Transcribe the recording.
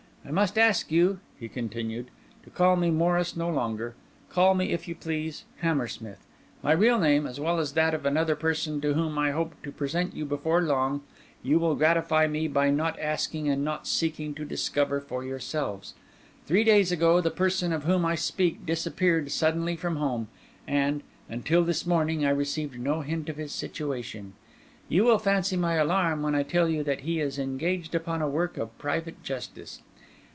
I must ask you," he continued, "to call me Morris no longer; call me, if you please, Hammersmith; my real name, as well as that of another person to whom I hope to present you before long, you will gratify me by not asking and not seeking to discover for yourselves. Three days ago the person of whom I speak disappeared suddenly from home; and, until this morning, I received no hint of his situation. You will fancy my alarm when I tell you that he is engaged upon a work of private justice.